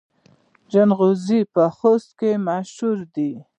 جلغوزي په خوست کې مشهور دي